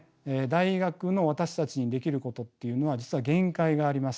大学の私たちにできることっていうのは実は限界があります。